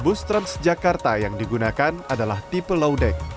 bus transjakarta yang digunakan adalah tipe low deck